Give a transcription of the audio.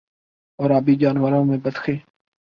اور آبی جانوروں میں بطخیں